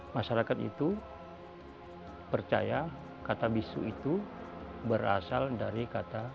masyarakat itu percaya kata bisu itu berasal dari kata